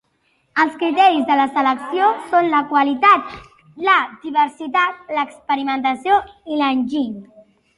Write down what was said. Els criteris de selecció són la qualitat, la diversitat, l'experimentació i l'enginy.